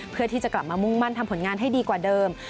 เพื่อที่จะกลับมามุ่งมั่นทำผลงานให้ดีกว่าเดิม